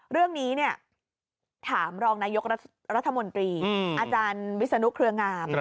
เรื่องนี้ถามรองนายกรัฐมนตรีอาจารย์วิศนุเครืองาม